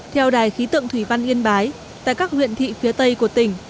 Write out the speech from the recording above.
theo đài khí tượng thủy văn yên bái tại các huyện thị phía tây của tỉnh